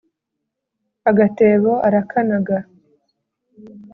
Agatebo arakanaga